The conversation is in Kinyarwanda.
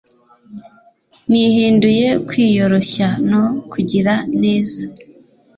nihinduye kwiyoroshya no kugira neza